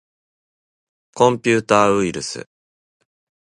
コンピューターウイルス